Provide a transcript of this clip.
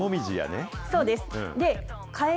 そうです。